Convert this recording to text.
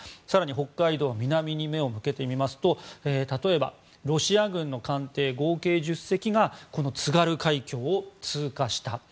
更に北海道の南に目を向けてみますと例えばロシア軍の艦艇合計１０隻がこの津軽海峡を通過した。